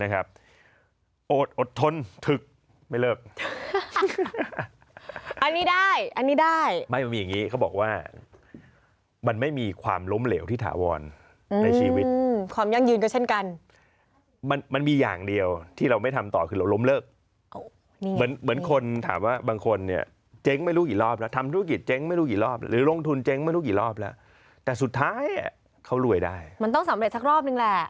หุ้นเนี่ยระยะยาวเนี่ยถ้าคุณซื้อหุ้นดี